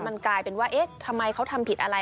มันกลายเป็นว่าเอ๊ะทำไมเขาทำผิดอะไร